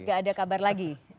tidak ada kabar lagi